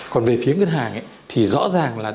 còn về phía ngân hàng rõ ràng là